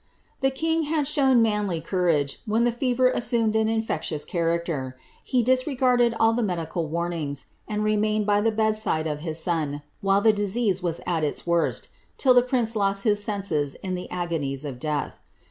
The king had shown manly courage, when the fever assumed an infectious character; he disregarded all the medical warnings, and remained by the bed side of his son, while the disease was at its worst, till the prince lost his senses in the agonies of death.'